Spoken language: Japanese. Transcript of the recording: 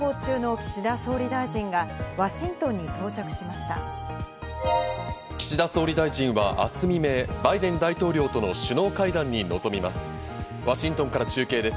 岸田総理大臣は明日未明、バイデン大統領との首脳会談に臨みます。